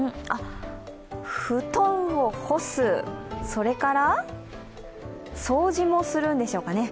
布団を干す、それから？掃除もするんでしょうかね。